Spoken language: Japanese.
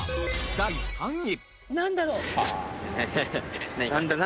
第３位。